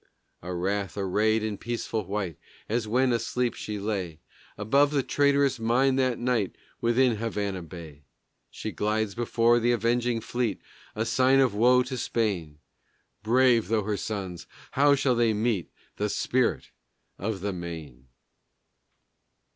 A wraith arrayed in peaceful white, As when asleep she lay Above the traitorous mine that night Within Havana Bay, She glides before the avenging fleet, A sign of woe to Spain, Brave though her sons, how shall they meet The Spirit of the Maine!